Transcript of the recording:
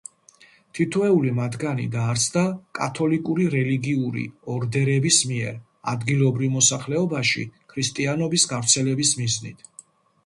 თითოეული მათგანი დაარსდა კათოლიკური რელიგიური ორდერების მიერ, ადგილობრივ მოსახლეობაში ქრისტიანობის გავრცელების მიზნით.